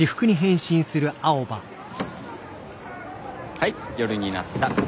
はい夜になった。